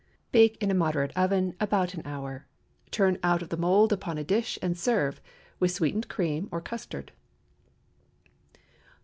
Bake in a moderate oven about an hour, turn out of the mould upon a dish and serve, with sweetened cream or custard.